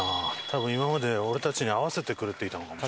多分今まで俺たちに合わせてくれていたのかも。